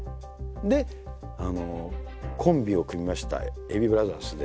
でコンビを組みましたＡＢブラザーズで。